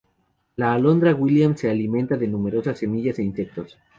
La Alondra de Williams se alimenta de numerosas semillas e insectos.